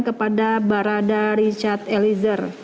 kepada barada richard eliza